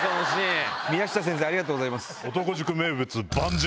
宮下先生ありがとうございます。